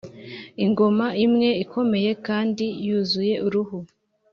ingoma imwe ikomeye kandi yuzuye uruhu,